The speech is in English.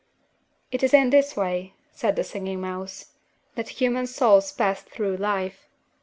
"It is in this way," said the Singing Mouse, "that human souls pass through life.